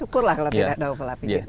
syukur lah kalau tidak ada overlapping